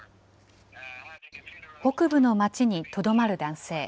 北部の街にとどまる男性。